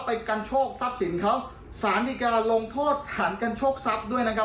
ไปกันโชคทรัพย์สินเขาสารดีการลงโทษหันกันโชคทรัพย์ด้วยนะครับ